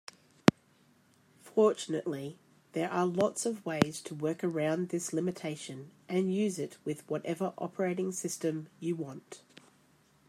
Fortunately, there are lots of ways to work around this limitation and use it with whatever operating system you want.